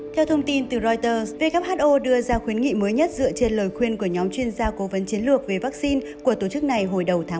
theo thông tin từ reuters who đưa ra khuyến nghị mới nhất dựa trên lời khuyên của nhóm chuyên gia cố vấn chiến lược về vaccine của tổ chức này hồi đầu tháng ba